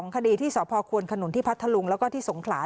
คดีที่สพควนขนุนที่พัทธลุงแล้วก็ที่สงขลา